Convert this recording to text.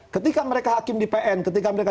ketika mereka hakim di pn ketika mereka